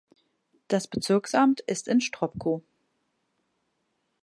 Das Bezirksamt ist in Stropkov.